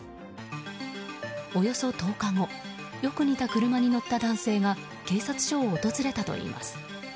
およそ１０日後よく似た車に乗った男性が警察署を訪れたといいます。